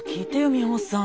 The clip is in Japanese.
美穂さん。